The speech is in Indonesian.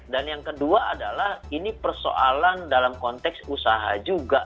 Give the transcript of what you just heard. dan yang kedua adalah ini persoalan dalam konteks usaha juga